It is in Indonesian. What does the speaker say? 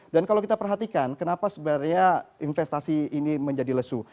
dan kalau kita perhatikan kenapa sebenarnya investasi ini menjadi lesu